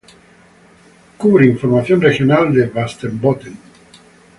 Cubre información regional de Västerbotten.